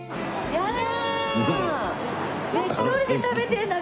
やだ！